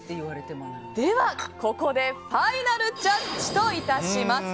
ではここでファイナルジャッジと致します。